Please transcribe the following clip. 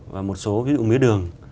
và một số ví dụ mía đường